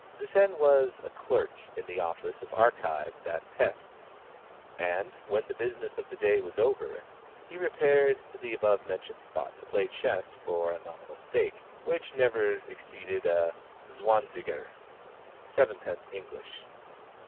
Zsen was a clerk in the office of Archives at Pesth, and, when the business of the day was over, he repaired to the above mentioned spot to play chess for a nominal stake, which never exceeded a zwanziger (sevenpence English).